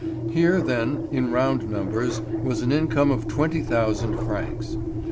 Here, then, in round numbers was an income of twenty thousand francs.